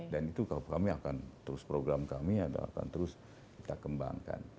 itu kami akan terus program kami akan terus kita kembangkan